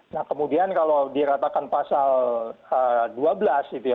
nah kemudian kalau diratakan pasal dua belas itu ya